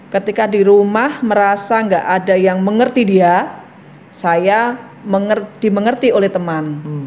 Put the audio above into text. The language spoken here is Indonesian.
ketika di rumah merasa gak ada yang mengerti dia saya dimengerti oleh teman